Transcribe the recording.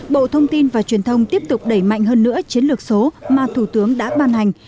bộ thông tin và truyền thông tiếp tục đẩy mạnh hơn nữa chiến lược số mà thủ tướng đã ban hành